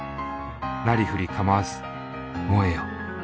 なりふりかまわず燃えよ。